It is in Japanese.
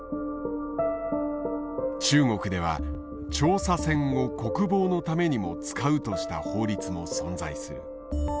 中国では調査船を国防のためにも使うとした法律も存在する。